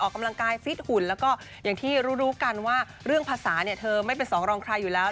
ออกกำลังกายฟิตหุ่นแล้วก็อย่างที่รู้รู้กันว่าเรื่องภาษาเนี่ยเธอไม่เป็นสองรองใครอยู่แล้ว